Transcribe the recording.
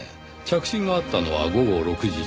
着信があったのは午後６時１２分。